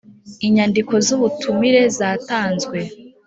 inzandiko z ubutumire zatanzwe